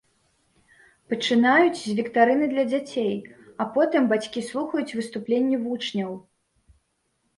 Пачынаюць з віктарыны для дзяцей, а потым бацькі слухаюць выступленні вучняў.